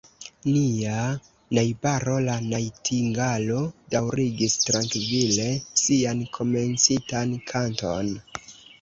Nia najbaro la najtingalo daŭrigis trankvile sian komencitan kanton.